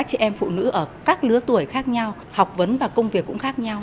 chị em phụ nữ ở các lứa tuổi khác nhau học vấn và công việc cũng khác nhau